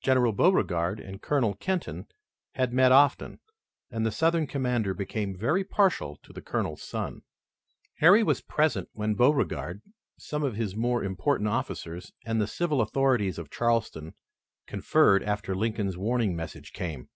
General Beauregard and Colonel Kenton had met often, and the Southern commander became very partial to the Colonel's son. Harry was present when Beauregard, some of his more important officers and the civil authorities of Charleston, conferred after Lincoln's warning message came.